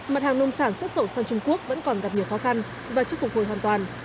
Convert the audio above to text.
mặt hàng nông sản xuất khẩu sang trung quốc vẫn còn gặp nhiều khó khăn và chưa phục hồi hoàn toàn